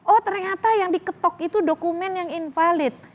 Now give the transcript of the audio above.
oh ternyata yang diketok itu dokumen yang invalid